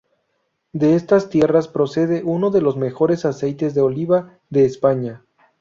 De estas tierras procede uno de los mejores aceites de oliva de España.